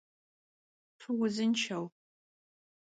Fıuzınşşeu!